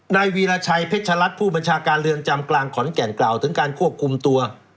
วีรชัยเพชรัตน์ผู้บัญชาการเรือนจำกลางขอนแก่นกล่าวถึงการควบคุมตัว